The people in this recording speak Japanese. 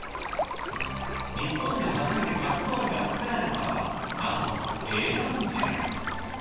日本で初めてかき氷が作られたのは、なんと平安時代。